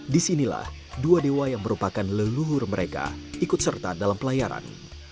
di sini lah dua dewa yang merupakan leluhur mereka ikut serta dalam pelayaran